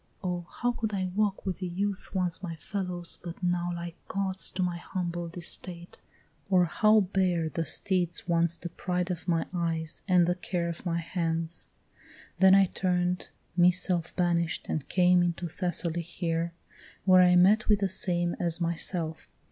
Oh, how Could I walk with the youth once my fellows, but now Like Gods to my humbled estate? or how bear The steeds once the pride of my eyes and the care Of my hands? Then I turn'd me self banish'd, and came Into Thessaly here, where I met with the same As myself.